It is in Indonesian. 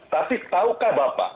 tapi tahukah bapak